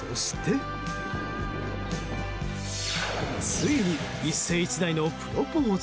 ついに一世一代のプロポーズ。